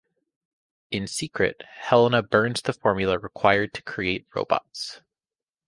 In secret, Helena burns the formula required to create Robots.